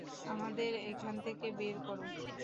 আমাদের এখান থেকে বের করো!